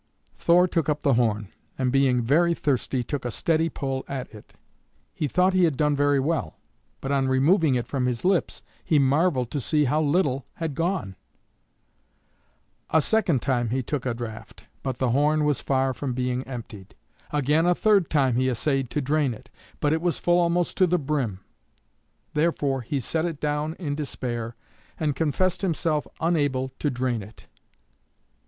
Thor took up the horn, and, being very thirsty, took a steady pull at it. He thought he had done very well, but on removing it from his lips he marveled to see how little had gone. A second time he took a draught, but the horn was far from being emptied. Again a third time he essayed to drain it, but it was full almost to the brim. Therefore he set it down in despair, and confessed himself unable to drain it.